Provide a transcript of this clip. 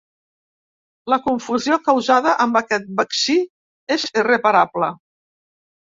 La confusió causada amb aquest vaccí és irreparable.